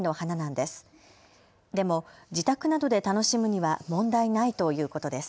でも自宅などで楽しむには問題ないということです。